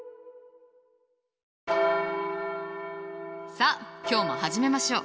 さあ今日も始めましょう！